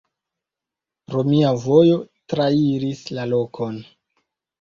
Romia vojo trairis la lokon.